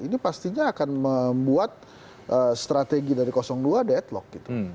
ini pastinya akan membuat strategi dari dua deadlock gitu